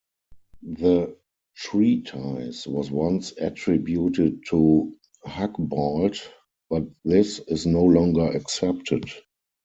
The treatise was once attributed to Hucbald, but this is no longer accepted.